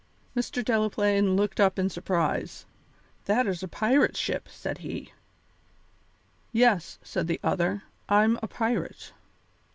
Mr. Delaplaine looked up in surprise. "That is a pirate ship," said he. "Yes," said the other, "I'm a pirate."